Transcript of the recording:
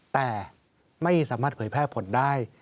แต่ไม่สามารถเผยแพร่ผลได้